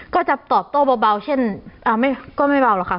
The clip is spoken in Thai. ก็จะตอบโตเบาเบาเช่นอ่าไม่ก็ไม่เบาหรอกค่ะ